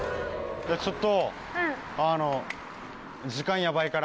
ちょっと。